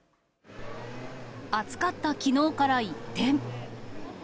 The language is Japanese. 暑かったきのうから一転。